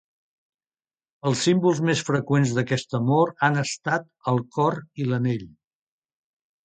Els símbols més freqüents d'aquest amor han estat el cor i l'anell.